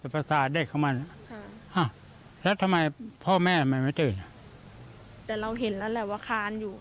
ภาษาเด็กของมันแล้วทำไมพ่อแม่มันไม่ตื่นอ่ะแต่เราเห็นแล้วแหละว่าคานอยู่